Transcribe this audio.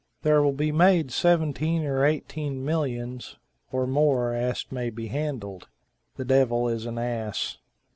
There will be made seventeen or eighteeen millions, Or more, as't may be handled!" The Devil is an Ass.